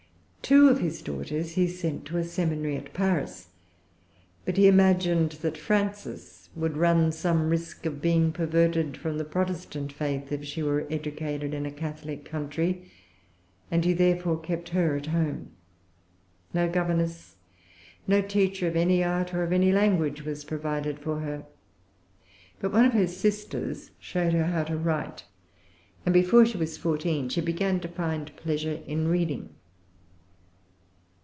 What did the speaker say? Two of his daughters he sent to a seminary at Paris; but he imagined that Frances would run some risk of being perverted from the[Pg 336] Protestant faith if she were educated in a Catholic country, and he therefore kept her at home. No governess, no teacher of any art or of any language, was provided for her. But one of her sisters showed her how to write; and, before she was fourteen, she began to find pleasure in reading.